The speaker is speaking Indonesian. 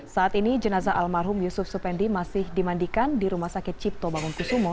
saat ini jenazah almarhum yusuf supendi masih dimandikan di rumah sakit cipto bangun kusumo